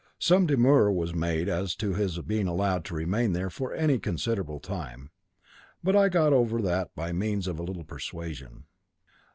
Some demur was made as to his being allowed to remain there for any considerable time, but I got over that by means of a little persuasion.